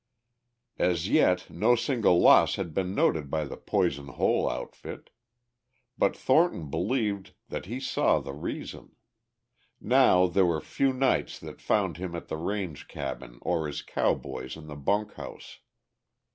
As yet no single loss had been noted by the Poison Hole outfit. But Thornton believed that he saw the reason: now, there were few nights that found him at the range cabin or his cowboys in the bunk house.